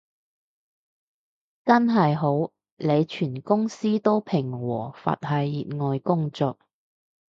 真係好，你全公司都平和佛系熱愛工作